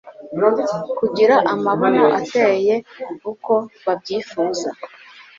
kugira amabuno ateye uko babyifuza